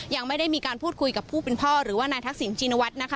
ยังไม่ได้มีการพูดคุยกับผู้เป็นพ่อหรือว่านายทักษิณชินวัฒน์นะคะ